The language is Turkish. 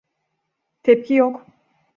Tepki yok.